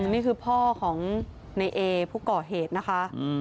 นี่คือพ่อของในเอผู้ก่อเหตุนะคะ